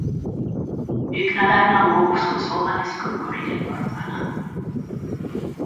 Byggnaderna lågo som sovande skuggor i den mörka natten.